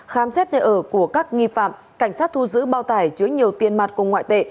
khám xét nơi ở của các nghi phạm cảnh sát thu giữ bao tải chứa nhiều tiền mặt cùng ngoại tệ